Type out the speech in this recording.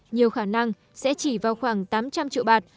nhiều khả năng sẽ chỉ vào khoảng tám trăm linh triệu bạt